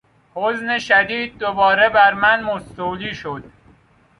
حزن شدید دوباره بر من مستولی شد.